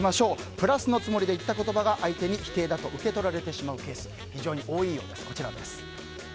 プラスのつもりで言った言葉が相手に否定だと受け取られてしまうケース非常に多いようです。